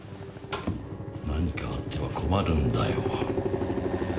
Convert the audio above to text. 何かあっては困るんだよ。